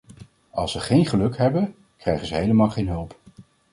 Als ze geen geluk hebben, krijgen ze helemaal geen hulp.